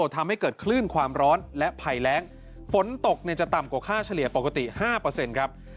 ทำให้เกิดคลื่นความร้อนและภัยแรงฝนตกจะต่ำกว่าค่าเฉลี่ยปกติ๕ครับ